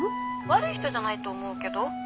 ☎悪い人じゃないと思うけど。